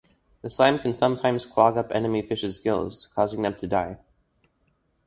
The slime can sometimes clog up enemy fishes' gills, causing them to die.